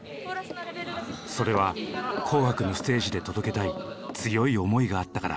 それは「紅白」のステージで届けたい強い思いがあったから。